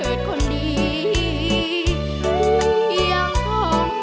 แต่วจากกลับมาท่าน้าที่รักอย่าช้านับสิสามเชย